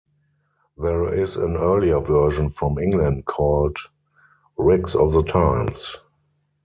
There is an earlier version, from England, called "Rigs of the Times".